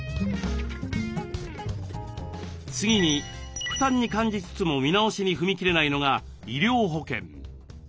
次に負担に感じつつも見直しに踏み切れないのが医療保険。